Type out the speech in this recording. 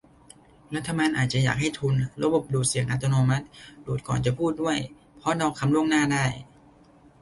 รัฐบาลอาจจะอยากให้ทุน ระบบดูดเสียงอัตโนมัติ ดูดก่อนจะพูดด้วย เพราะเดาคำล่วงหน้าได้